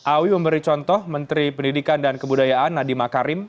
awi memberi contoh menteri pendidikan dan kebudayaan nadiem akarim